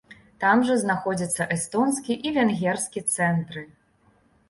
Там жа знаходзяцца эстонскі і венгерскі цэнтры.